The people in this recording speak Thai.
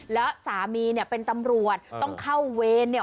แล้วสามีเนี่ยเป็นตำรวจต้องเข้าเวรเนี่ย